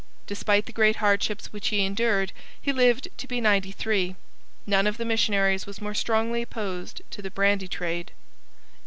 Despite the great hardships which he endured, he lived to be ninety three. None of the missionaries was more strongly opposed to the brandy trade.